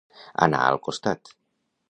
Anar al costat.